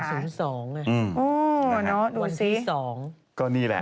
นะดูสิใช่เหรอครับวันที่สอง